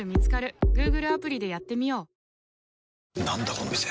この店。